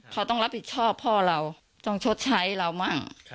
เขาต้องรับผิดชอบพ่อเราต้องชดใช้เรามั่ง